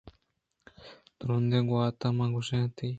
تْرُندیں گْوات ءَ مہ کَش اتیں